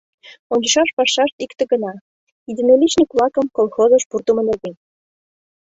Ончышаш пашашт икте гына: единоличник-влакым колхозыш пуртымо нерген.